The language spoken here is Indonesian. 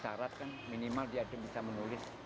syarat kan minimal dia bisa menulis